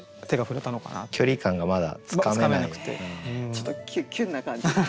ちょっとキュンな感じ。